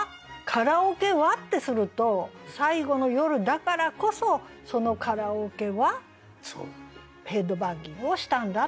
「カラオケは」ってすると最後の夜だからこそそのカラオケはヘッドバンギングをしたんだ。